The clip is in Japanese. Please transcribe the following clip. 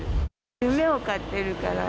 夢を買ってるから。